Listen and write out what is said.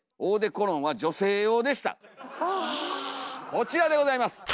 こちらでございます！